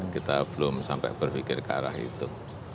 kita belum sampai berpikir ke arah itu